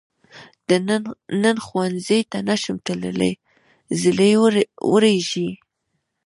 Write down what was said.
نن ښؤونځي ته نشم تللی، ږلۍ وریږي.